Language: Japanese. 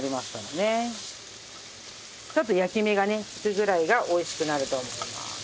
ちょっと焼き目がつくぐらいがおいしくなると思います。